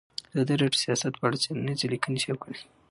ازادي راډیو د سیاست په اړه څېړنیزې لیکنې چاپ کړي.